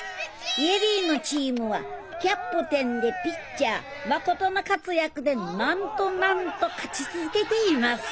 恵里のチームはキャプテンでピッチャー誠の活躍でなんとなんと勝ち続けています